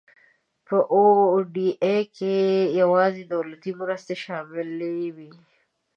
په او ډي آی کې یوازې دولتي مرستې شاملې وي.